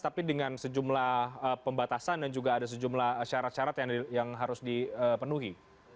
tapi dengan sejumlah pembatasan dan juga ada sejumlah syarat syarat yang harus dipenuhi